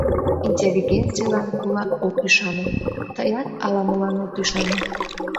Интеллигенцийлан кулак ок ӱшане, тыят ала-молан от ӱшане.